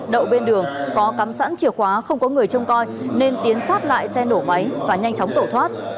đậu bên đường có cắm sẵn chìa khóa không có người trông coi nên tiến sát lại xe nổ máy và nhanh chóng tổ thoát